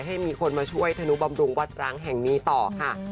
ให้มีคนมาช่วยธนุบำรุงวัดร้างแห่งนี้ต่อค่ะ